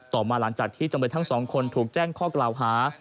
มาหลังจากที่จำเลยทั้งสองคนถูกแจ้งข้อกล่าวหา